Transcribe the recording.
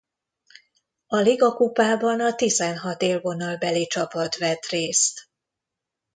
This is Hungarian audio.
A ligakupában a tizenhat élvonalbeli csapat vett részt.